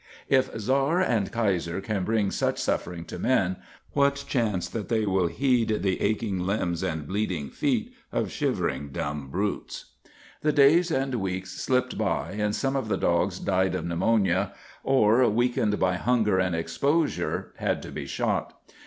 If Czar and Kaiser can bring such suffering to men, what chance that they will heed the aching limbs and bleeding feet of shivering dumb brutes? The days and weeks slipped by and some of the dogs died of pneumonia, or, weakened by hunger and exposure, had to be shot.